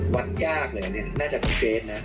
วัดยากเลยอันนี้น่าจะพี่เก๊นะ